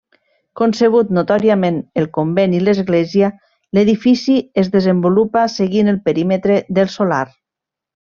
Concebut notòriament el convent i l'església, l'edifici es desenvolupa seguint el perímetre del solar.